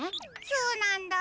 そうなんだ。